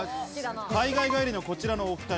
海外帰りのこちらのお２人。